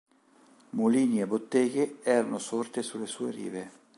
Mulini e botteghe erano sorti sulle sue rive.